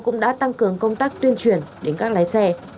cũng đã tăng cường công tác tuyên truyền đến các lái xe